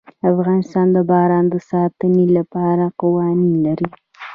افغانستان د باران د ساتنې لپاره قوانین لري.